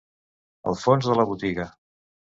El fons de la botiga.